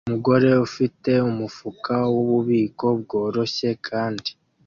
Umugore ufite umufuka wububiko bworoshye kandi